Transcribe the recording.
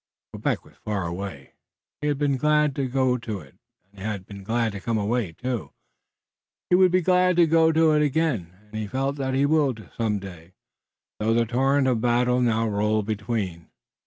Quebec was far away. He had been glad to go to it, and he had been glad to come away, too. He would be glad to go to it again, and he felt that he would do so some day, though the torrent of battle now rolled between.